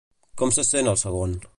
Com se sent el segon?